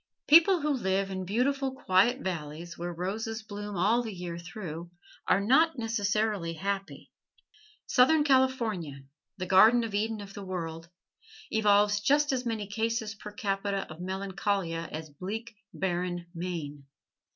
People who live in beautiful, quiet valleys, where roses bloom all the year through, are not necessarily happy. Southern California the Garden of Eden of the world evolves just as many cases per capita of melancholia as bleak, barren Maine.